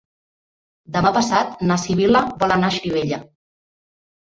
Demà passat na Sibil·la vol anar a Xirivella.